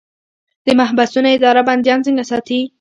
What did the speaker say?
د محبسونو اداره بندیان څنګه ساتي؟